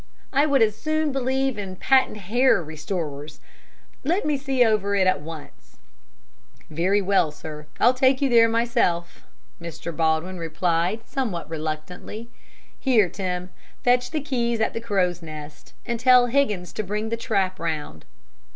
I would as soon believe in patent hair restorers. Let me see over it at once." "Very well, sir. I'll take you there myself," Mr. Baldwin replied, somewhat reluctantly. "Here, Tim fetch the keys of the Crow's Nest and tell Higgins to bring the trap round."